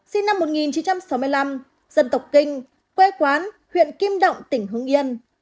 sinh năm một nghìn chín trăm sáu mươi năm dân tộc kinh quê quán huyện kim động tỉnh hưng yên